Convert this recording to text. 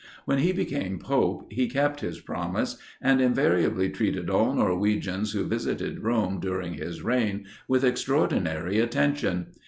When he became pope, he kept his promise, and invariably treated all Norwegians who visited Rome during his reign with extraordinary attention.